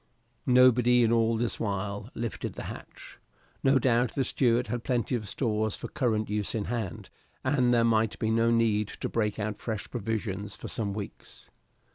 Nobody in all this while lifted the hatch. No doubt the steward had plenty of stores for current use in hand, and there might be no need to break out fresh provisions for some weeks.